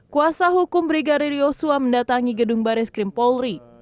kuasa hukum brigadir yosua mendatangi gedung baris krim polri